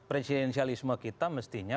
presidensialisme kita mestinya